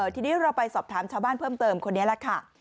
ทีนี้เราไปสอบถามชาวบ้านเพิ่มเติมคนนี้แหละค่ะ